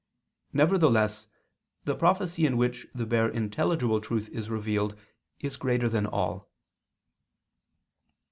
Nevertheless the prophecy in which the bare intelligible truth is revealed is greater than all.